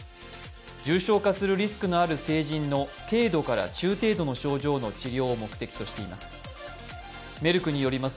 重症化するリスクのある成人の軽度から中程度の治療を目的としています。